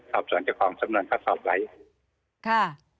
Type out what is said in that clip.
พอดีคุณได้ค่ะ